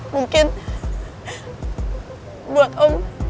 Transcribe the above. mungkin buat om